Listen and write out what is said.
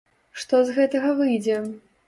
Што з гэтага выйдзе!